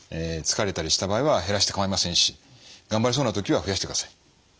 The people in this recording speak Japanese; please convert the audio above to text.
疲れたりした場合は減らして構いませんしがんばれそうな時は増やしてください。